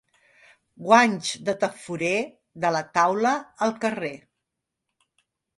Guanys de tafurer, de la taula al carrer.